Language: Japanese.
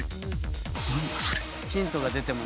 ヒントが出ても。